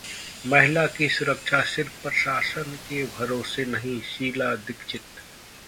महिला की सुरक्षा सिर्फ प्रशासन के भरोसे नहीं: शीला दीक्षित